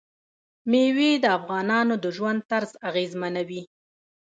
مېوې د افغانانو د ژوند طرز اغېزمنوي.